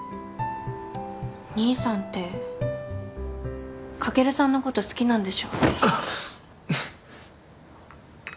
兄さんってカケルさんのこと好きなんでしょ？